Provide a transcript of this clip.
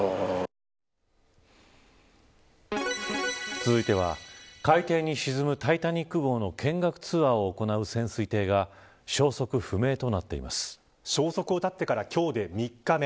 続いては海底に沈むタイタニック号の見学ツアーを行う潜水艇が消息を絶ってから今日で３日目。